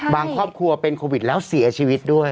ครอบครัวเป็นโควิดแล้วเสียชีวิตด้วย